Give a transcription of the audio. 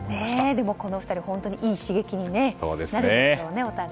でも、この２人本当にいい刺激にお互い、なるんでしょうね。